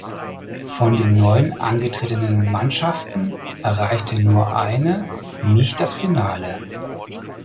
Von den neun angetretenen Mannschaften erreichte nur eine nicht das Finale.